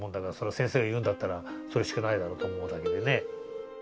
先生が言うんだったらそれしかないだろうと思うだけでね。